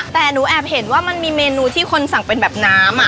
แต่หนูแอบเห็นว่ามันมีเมนูที่คนสั่งเป็นแบบน้ำ